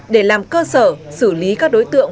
để làm cơ sở xử lý các đối tượng